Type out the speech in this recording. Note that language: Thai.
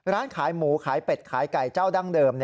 ร้านขายหมูขายเป็ดขายไก่เจ้าดั้งเดิม